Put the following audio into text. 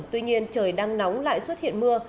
tuy nhiên trời đang nóng lại xuất hiện mưa